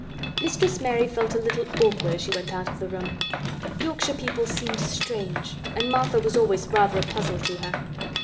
Mistress Mary felt a little awkward as she went out of the room. Yorkshire people seemed strange, and Martha was always rather a puzzle to her.